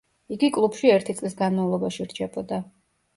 იგი კლუბში ერთი წლის განმავლობაში რჩებოდა.